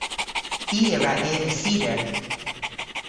I a wra eva cider.